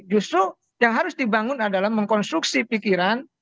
justru yang harus dibangun adalah mengkonstruksi pikiran